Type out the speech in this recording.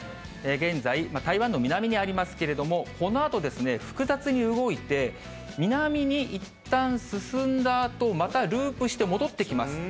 現在、台湾の南にありますけれども、このあと、複雑に動いて、南にいったん進んだあと、またループして戻ってきます。